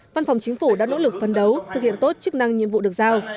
văn phòng chính phủ đã nỗ lực phân đấu thực hiện tốt chức năng nhiệm vụ được giao